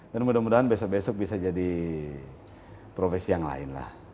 dan mudah mudahan besok besok bisa jadi profesi yang lain lah